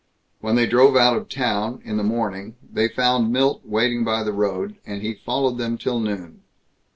When they drove out of town, in the morning, they found Milt waiting by the road, and he followed them till noon.